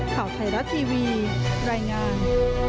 ข่าวไทยรัฐทีวีรายงาน